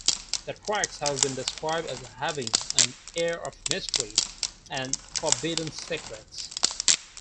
The tracks have been described as having an "air of mystery and forbidden secrets".